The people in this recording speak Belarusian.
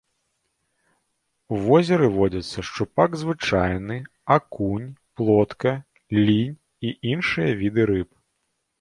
У возеры водзяцца шчупак звычайны, акунь, плотка, лінь і іншыя віды рыб.